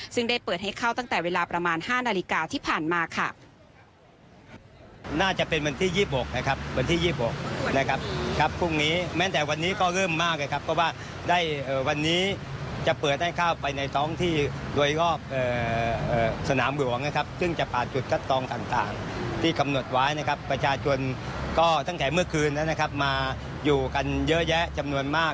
ซึ่งได้เปิดให้เข้าตั้งแต่เวลาประมาณ๕นาฬิกาที่ผ่านมาค่ะ